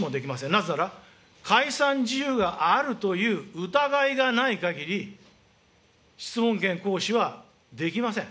なぜなら解散事由があるという疑いがないかぎり、質問権行使はできません。